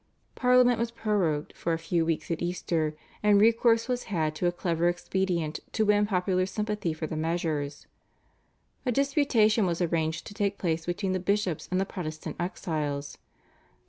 Parliament was prorogued for a few weeks at Easter, and recourse was had to a clever expedient to win popular sympathy for the measures. A disputation was arranged to take place between the bishops and the Protestant exiles.